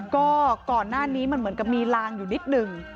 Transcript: ก็ก่อนหน้านี้มันเหมือนกับมีลางอยู่นิดหนึ่ง